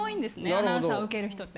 アナウンサーを受ける人って。